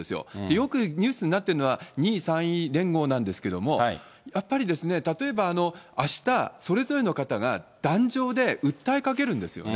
よくニュースになっているのは、２位・３位連合なんですけども、やっぱりですね、例えばあした、それぞれの方が壇上で訴えかけるんですよね。